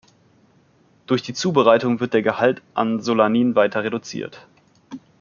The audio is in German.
Durch die Zubereitung wird der Gehalt an Solanin weiter reduziert.